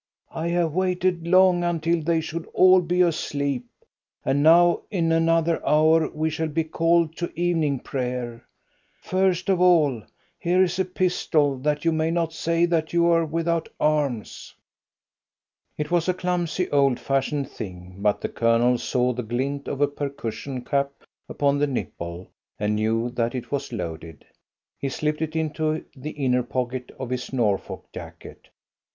"I have waited long, until they should all be asleep, and now in another hour we shall be called to evening prayer. First of all, here is a pistol, that you may not say that you are without arms." It was a clumsy, old fashioned thing, but the Colonel saw the glint of a percussion cap upon the nipple, and knew that it was loaded. He slipped it into the inner pocket of his Norfolk jacket.